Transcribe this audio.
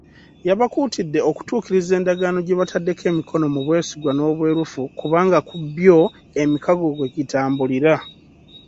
Yabakuutidde okutuukiriza endaaagano gye bataddeko emikono mu bwesigwa n'obwerufu kubanga ku bbyo, emikago kwegitambulira.